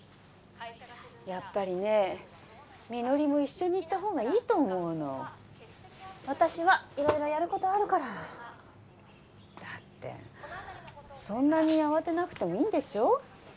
やっぱりね実梨も一緒に行ったほうがいいと思うの私は色々やることあるからだってそんなに慌てなくてもいいんでしょう？